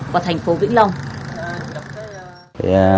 và thành phố vĩnh long